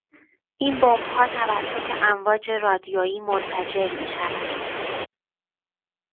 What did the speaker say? این بمبها توسط امواج رادیویی منفجر میشوند.